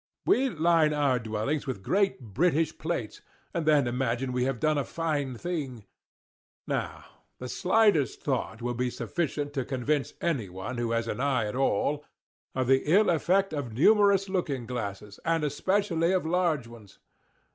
We line our dwellings with great British plates, and then imagine we have done a fine thing. Now the slightest thought will be sufficient to convince any one who has an eye at all, of the ill effect of numerous looking glasses, and especially of large ones.